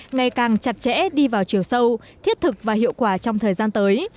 ngày càng chặt chẽ đi vào chiều sâu thiết thực và hiệu quả trong thời gian tới